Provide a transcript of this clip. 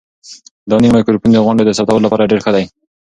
دا نوی مایکروفون د غونډو د ثبتولو لپاره ډېر ښه دی.